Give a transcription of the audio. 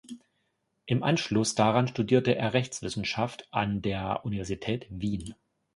Im Anschluss daran studierte er Rechtswissenschaft an der Universität Wien.